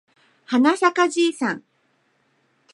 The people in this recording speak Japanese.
はなさかじいさん